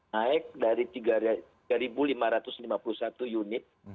naik dari tiga lima ratus lima puluh satu unit